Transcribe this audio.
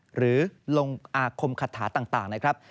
หรือลงอาคมคาถาต่างนะครับ